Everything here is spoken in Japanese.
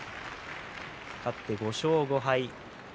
勝って５勝５敗。